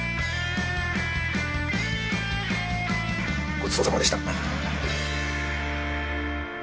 ごちそうさまでした。